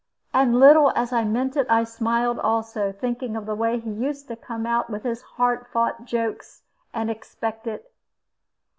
And little as I meant it, I smiled also, thinking of the way he used to come out with his hard fought jokes, and expect it.